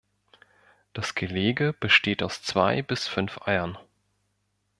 Das Gelege besteht aus zwei bis fünf Eiern.